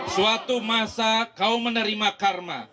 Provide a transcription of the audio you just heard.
suatu masa kau menerima karma